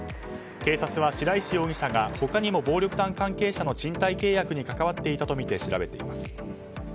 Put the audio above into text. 警察は、白石容疑者が他にも暴力団関係者の賃貸契約に関わっていたとみて調べています。